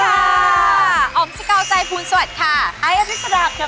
ท็อกเดลนนีนุฏิประสุทธาระวิทยาลัย